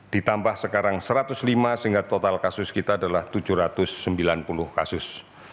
ditambah sekarang satu ratus lima sehingga total kasus kita adalah tujuh ratus sembilan puluh kasus